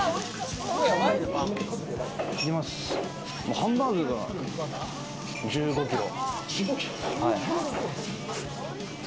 ハンバーグが一日１５キロ。